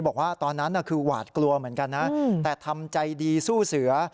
บอกว่าตอนนั้นคือหวาดกลัวเหมือนกันนะแต่ทำใจดีสู้เสือ